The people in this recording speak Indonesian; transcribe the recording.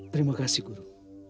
terima kasih guru